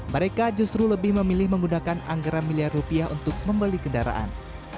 mereka justru lebih memilih menggunakan anggaran miliar rupiah untuk membeli kendaraan